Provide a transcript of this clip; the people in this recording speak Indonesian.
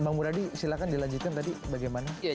bang bu radhi silakan dilanjutkan tadi bagaimana